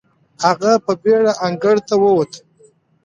هغه په بېړه انګړ ته وووت.